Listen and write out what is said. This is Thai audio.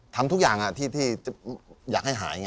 ที่อยากให้หายไง